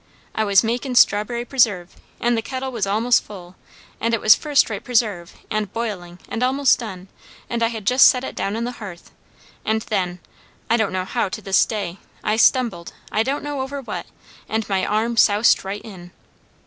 I was makin' strawberry preserve and the kettle was a'most full, and it was first rate preserve, and boiling, and almost done, and I had just set it down on the hearth; and then, I don't know how to this day, I stumbled I don't know over what and my arm soused right in."